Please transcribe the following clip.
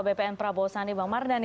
bpn prabowo sani bang mardani